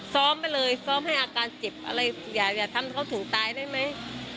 ซ้อมไปเลยซ้อมให้อาการเจ็บอะไรอย่าทำเขาถึงตายได้ไหม